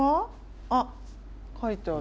あっ書いてある。